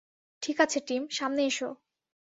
ঠিকাছে, টিম, সামনে এসো।